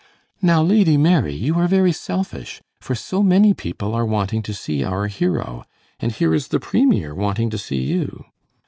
"Now, Lady Mary, you are very selfish, for so many people are wanting to see our hero, and here is the premier wanting to see you."